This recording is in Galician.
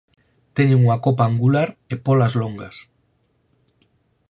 Teñen unha copa angular e pólas longas.